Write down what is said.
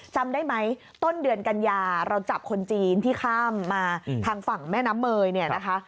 จำได้ไหมต้นเดือนกันยาเราจับคนจีนที่ข้ามมาทางฝั่งแม่น้ำเมยเนี่ยนะคะ